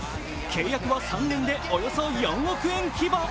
契約は３年でおよそ４億円規模。